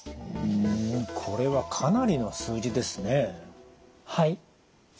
これはかなりの数字ですね。